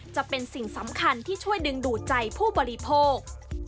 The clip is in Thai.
จะเป็นสิ่งสำคัญที่ช่วยดึงดูดใจผู้บริโภค